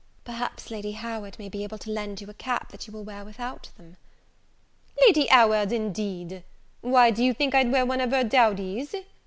"Perhaps Lady Howard may be able to lend you a cap that will wear without them." "Lady Howard, indeed! why, do you think I'd wear one of her dowdies?